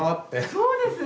そうですね。